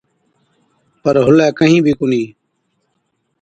پَر هُلَي ڪهِين بِي ڪونهِي۔